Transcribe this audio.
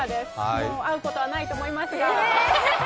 もう会うことはないと思いますが。